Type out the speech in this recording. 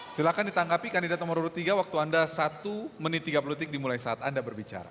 silahkan ditangkapi kandidat nomor urut tiga waktu anda satu menit tiga puluh detik dimulai saat anda berbicara